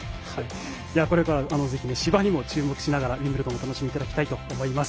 これからぜひ芝にも注目しながらウィンブルドン皆様にもお楽しみいただきたいと思います。